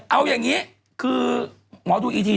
เอาอย่างนี้คือหมอดูอีที